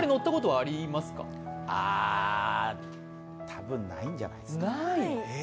あ、多分ないんじゃないですか。